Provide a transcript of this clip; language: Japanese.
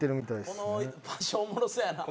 「この場所おもろそうやな」